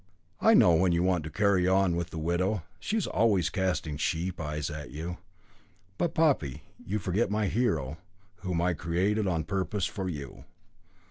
"I know, when you want to carry on with the widow. She is always casting sheep's eyes at you." "But, Poppy, you forget my hero, whom I created on purpose for you."